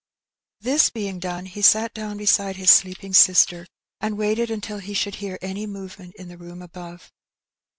This being done, he sat down beside his sleeping sister and ^^aited until he should hear any movement in the room above.